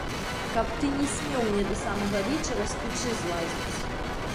Каб ты не смеў мне да самага вечара з печы злазіць!